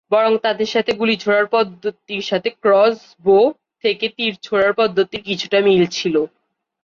বরং তাদের থেকে গুলি ছোঁড়ার পদ্ধতির সাথে "ক্রস বো" থেকে তীর ছোঁড়ার পদ্ধতির কিছুটা মিল ছিল।